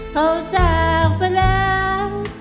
เขาจากไปแล้ว